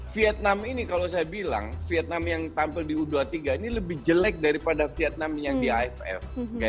vietnam ini kalau saya bilang vietnam yang tampil di u dua puluh tiga ini lebih jelek daripada vietnam yang di aff